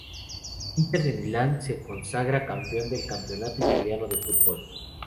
Inter de Milán se consagra campeón del Campeonato Italiano de Fútbol.